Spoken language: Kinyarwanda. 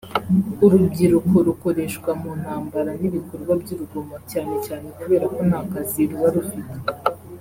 Urubyiruko rukoreshwa mu ntambara n’ibikorwa by’urugomo cyane cyane kubera ko nta kazi ruba rufite